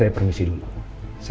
yang terakhir makanya lo